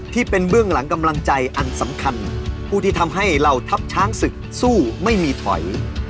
เบื้องหลังกำลังใจอันสำคัญผู้ที่ทำให้เหล่าทัพช้างศึกสู้ไม่มีถอย